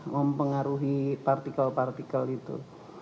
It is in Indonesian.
mempengaruhi partikel partikel itu